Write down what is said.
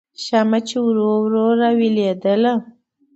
شمعه چې ورو ورو راویلېدله